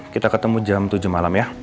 kita ketemu jam tujuh malam ya